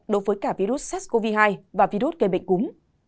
đối với cả virus sars cov hai và virus gây bệnh cúm